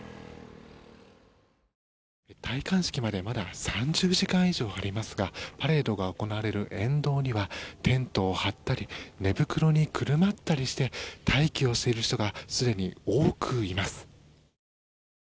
戴冠式までまだ３０時間以上ありますがパレードが行われる沿道にはテントを張ったり寝袋にくるまったりして待機をしている人がすでに多くいます。